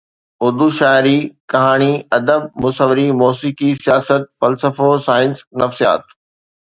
اردو شاعري، ڪهاڻي، ادب، مصوري، موسيقي، سياست، فلسفو، سائنس، نفسيات